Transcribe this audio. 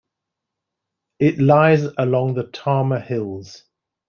It lies along the Tama Hills.